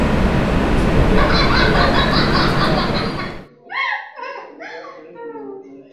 msikizaji katika simu hii leo nina watu kama wanne hivi